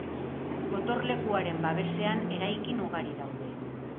Gotorlekuaren babesean eraikin ugari daude.